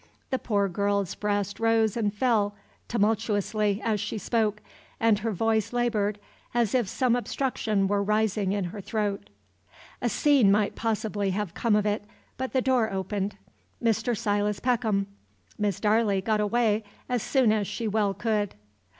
The poor girl's breast rose and fell tumultuously as she spoke, and her voice labored, as if some obstruction were rising in her throat. A scene might possibly have come of it, but the door opened. Mr. Silas Peckham. Miss Darley got away as soon as she well could.